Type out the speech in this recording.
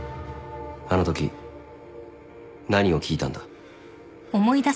あのとき何を聞いたんだ？